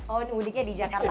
oh mudiknya di jakarta